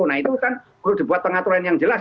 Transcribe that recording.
nah itu kan perlu dibuat pengaturan yang jelas